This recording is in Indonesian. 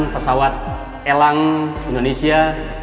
pesawat elang indonesia